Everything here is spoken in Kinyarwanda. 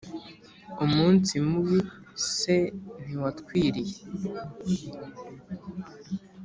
umunsi mubi se ntiwatwiriye